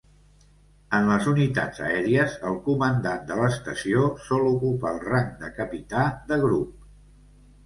En les unitats aèries, el comandant de l'estació sol ocupar el rang de capità de grup.